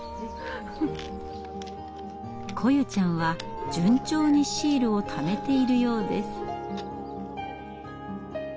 來夢ちゃんは順調にシールをためているようです。